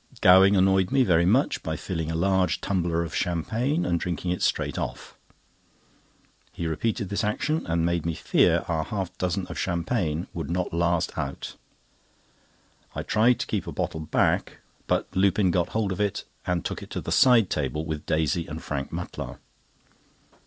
Gowing annoyed me very much by filling a large tumbler of champagne, and drinking it straight off. He repeated this action, and made me fear our half dozen of champagne would not last out. I tried to keep a bottle back, but Lupin got hold of it, and took it to the side table with Daisy and Frank Mutlar.